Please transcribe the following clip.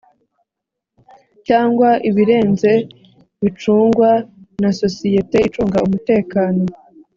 cyangwa ibirenze bicungwa na sosiyete icunga umutekano